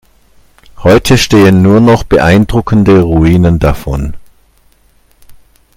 Heute stehen nur noch beeindruckende Ruinen davon.